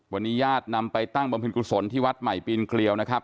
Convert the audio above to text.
วันนี้ญาตินำไปตั้งบำเพ็ญกุศลที่วัดใหม่ปีนเกลียวนะครับ